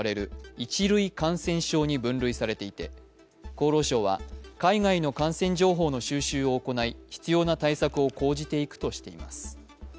１類感染症に分類されていて厚労省は海外の感染情報の収集を行い必要な対策を講じていくとしています。